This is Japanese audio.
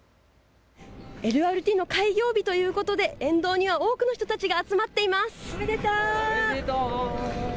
ＬＲＴの開業日ということで沿道には多くの人たちが集まっています。